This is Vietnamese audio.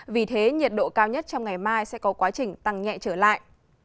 vì thế nhiệt độ cao nhất trong ngày mai sẽ có quá trình tăng nhẹ trở lại